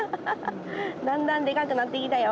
だんだんでかくなってきたよ。